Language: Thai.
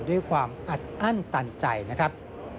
ด้วยความอัดอั้นตันใจนะครับ